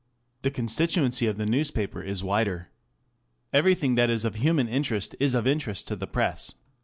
The constituency of the news paper is wider. Everything that is of human interest is of interest to the Press.